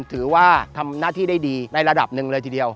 ถือว่าทำหน้าที่ได้ดีในระดับหนึ่งเลยทีเดียว